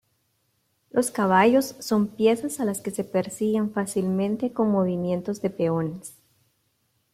Los caballos son piezas a las que se persiguen fácilmente con movimientos de peones.